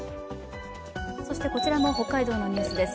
こちらも北海道のニュースです。